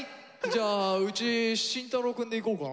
じゃあうち慎太郎くんでいこうかな。